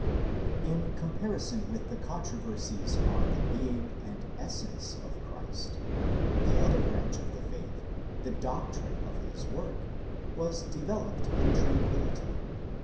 In comparison with the controversies on the being and essence of Christ, the other branch of the faith, the doctrine of his work, was developed in tran quillity.